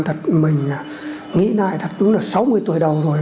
thật mình nghĩ lại thật đúng là sáu mươi tuổi đầu rồi